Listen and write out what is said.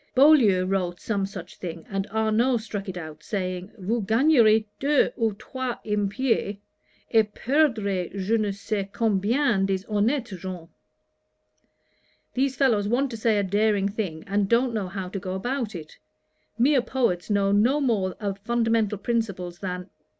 Boileau wrote some such thing, and Arnaud struck it out, saying, "Vous gagnerez deux ou trois impies, et perdrez je ne scais combien des honnettes gens." These fellows want to say a daring thing, and don't know how to go about it. Mere poets know no more of fundamental principles than